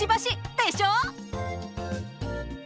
でしょ？